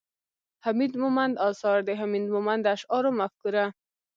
،حميد مومند اثار، د حميد مومند د اشعارو مفکوره